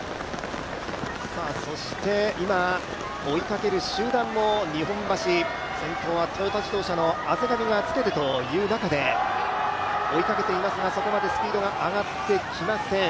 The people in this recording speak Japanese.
そして、今追いかける集団も日本橋先頭はトヨタ自動車の畔上がつけるという中で追いかけていますが、そこまでスピードが上がってきません。